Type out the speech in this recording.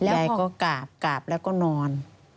ยายก็กราบกราบแล้วก็นอน